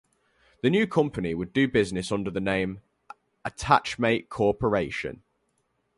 The new company would do business under the name Attachmate Corporation.